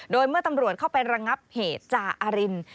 โดยเมื่อตำรวจเข้าไประงับเหตุจาอริน